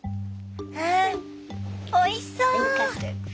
うんおいしそう！